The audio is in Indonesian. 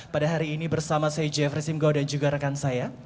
pada hari ini bersama saya jeffrey singgo dan juga rekan saya